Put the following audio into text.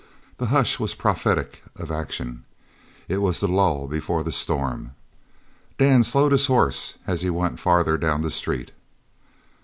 The hush was prophetic of action; it was the lull before the storm. Dan slowed his horse as he went farther down the street.